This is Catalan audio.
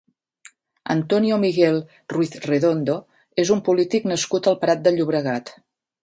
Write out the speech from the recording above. Antonio Miguel Ruiz Redondo és un polític nascut al Prat de Llobregat.